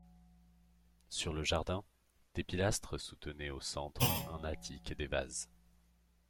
Sur le jardin, des pilastres soutenaient au centre un attique et des vases.